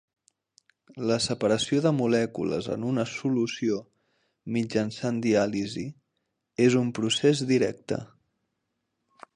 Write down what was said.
La separació de molècules en una solució mitjançant diàlisi és un procés directe.